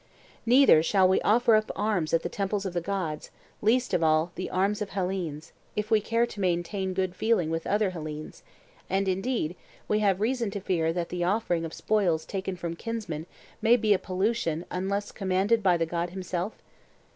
Neither shall we offer up arms at the temples of the gods, least of all the arms of Hellenes, if we care to maintain good feeling with other Hellenes; and, indeed, we have reason to fear that the offering of spoils taken from kinsmen may be a pollution unless commanded by the god himself?